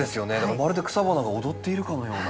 まるで草花が躍っているかのような。